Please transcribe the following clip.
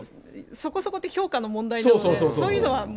そこそこって評価の問題なので、そういうのは。